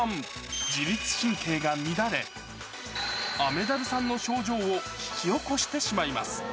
自律神経が乱れ、雨ダルさんの症状を引き起こしてしまいます。